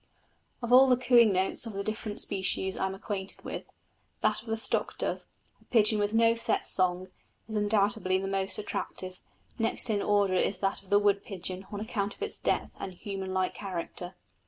Of all the cooing notes of the different species I am acquainted with, that of the stock dove, a pigeon with no set song, is undoubtedly the most attractive: next in order is that of the wood pigeon on account of its depth and human like character.